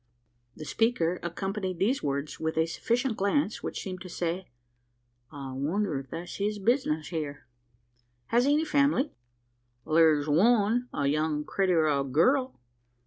The speaker accompanied these words with a significant glance, which seemed to say, "I wonder if that's his business here." "Has he any family?" "Thar's one a young critter o' a girl."